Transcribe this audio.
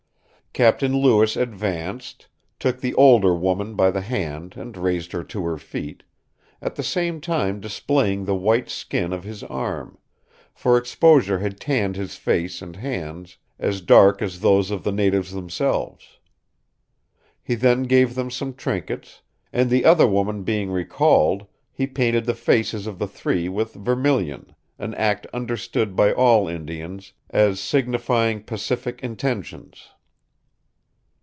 Captain Lewis advanced, took the older woman by the hand and raised her to her feet, at the same time displaying the white skin of his arm, for exposure had tanned his face and hands as dark as those of the natives themselves. He then gave them some trinkets, and the other woman being recalled, he painted the faces of the three with vermilion, an act understood by all Indians as signifying pacific intentions.